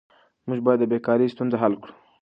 موږ باید د بیکارۍ ستونزه حل کړو.